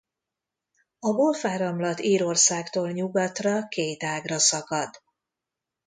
A Golf-áramlat Írországtól nyugatra két ágra szakad.